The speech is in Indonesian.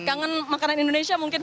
kangen makanan indonesia mungkin